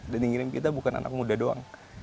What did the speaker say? dan yang ngirim kita bukan anak muda doang